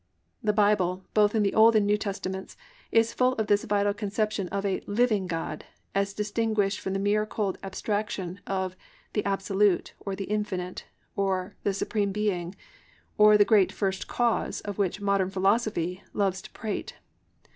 The Bible, both in the Old and New Testaments is full of this vital conception of "a living God" as distinguished from the mere cold abstraction of "The Absolute," or "The Infinite," or "The Supreme Being," or "The Great First Cause" of which "Modern Philosophy" loves to prate.